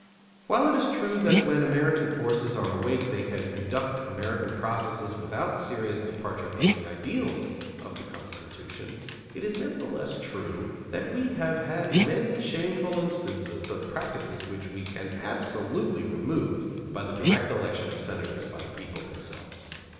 While it is true that when American forces are awake they can conduct American processes without serious departure from the ideals of the Constitution, it is nevertheless true that we have had many shameful instances of practices which we can absolutely remove by the direct election of Senators by the people themselves.